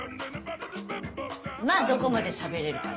まあどこまでしゃべれるか。